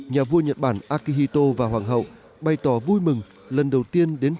nhà vua nhật bản akihito và hoàng hậu bày tỏ vui mừng lần đầu tiên đến